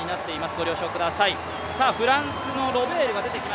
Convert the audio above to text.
ご了承ください。